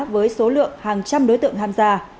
với số lượng hàng trăm đối tượng tham gia